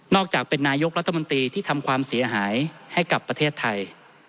จากเป็นนายกรัฐมนตรีที่ทำความเสียหายให้กับประเทศไทย